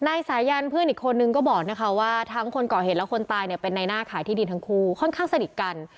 นายสายันเพื่อนอีกคนนึงก็บอกนะคะว่าทั้งคนก่อเหตุและคนตายเนี่ยเป็นในหน้าขายที่ดินทั้งคู่ค่อนข้างสนิทกัน